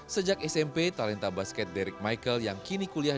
sejak smp talenta basket deric michael yang kini kuliah